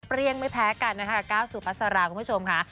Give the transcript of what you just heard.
เปรี้ยงไม่แพ้กันกับก้าวสู่พัศราคุณผู้ชมค่ะ